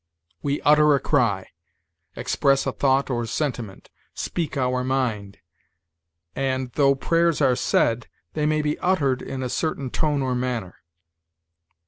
We utter a cry; express a thought or sentiment; speak our mind; and, though prayers are said, they may be uttered in a certain tone or manner.